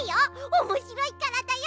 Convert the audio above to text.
おもしろいからだよ。